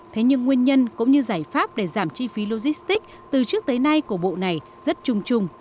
thế nhưng nguyên nhân cũng như giải pháp để giảm chi phí logistic từ trước tới nay của bộ này rất trùng trùng